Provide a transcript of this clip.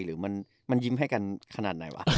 หรือมันยิ้มให้กันขนาดไหนวะ